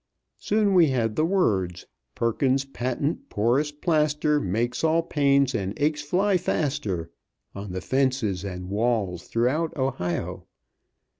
So we soon had the words, "Perkins's Patent Porous Plaster Makes all pains and aches fly faster," on the fences and walls throughout Ohio.